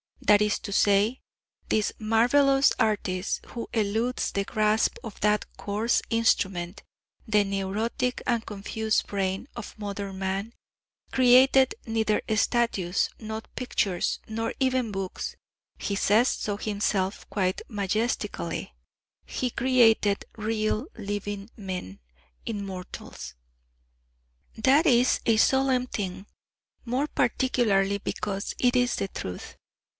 That is to say, this marvellous artist, who eludes the grasp of that coarse instrument the neurotic and confused brain of modern man created neither statues nor pictures nor even books; he says so himself quite majestically he created real living men, immortals. That is a solemn thing, more particularly because it is the truth.